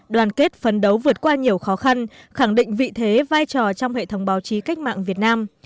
đoàn kết phấn đấu vượt qua nhiều khó khăn khẳng định vị thế vai trò trong hệ thống báo chí cách mạng việt nam